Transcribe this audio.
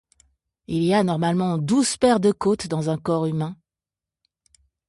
Il y a normalement douze paires de côtes dans un corps humain.